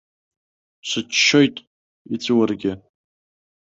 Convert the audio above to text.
Сыччоит, иҵәуаргьы.